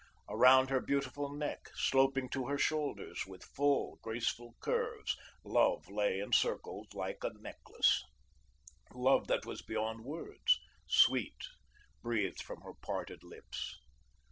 Around her beautiful neck, sloping to her shoulders with full, graceful curves, Love lay encircled like a necklace Love that was beyond words, sweet, breathed from her parted lips.